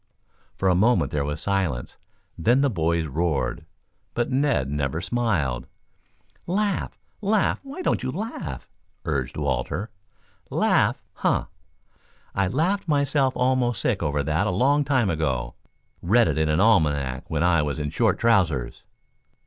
'" For a moment there was silence, then the boys roared. But Ned never smiled. "Laugh, laugh! Why don't you laugh?" urged Walter. "Laugh? Huh! I laughed myself almost sick over that a long time ago. Read it in an almanac when I was in short trousers."